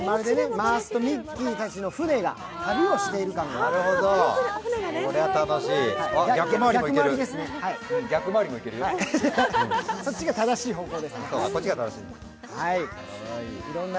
回すとミッキーたちの船が旅をしているかのような。